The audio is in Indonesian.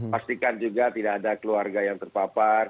pastikan juga tidak ada keluarga yang terpapar